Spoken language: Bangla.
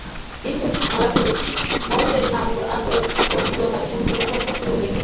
কিন্তু মালাকুল মউতের নাম কুরআন এবং সহীহ হাদীসসমূহের কোথাও স্পষ্ট উল্লেখ নেই।